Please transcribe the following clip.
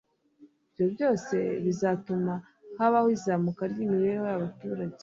ibyo byose bizatume habaho izamuka ry'imibereho y'abaturarwanda